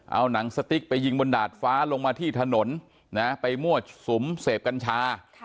เอาหนังสติ๊กไปยิงบนดาดฟ้าลงมาที่ถนนไปมั่วสุมเสพกัญชา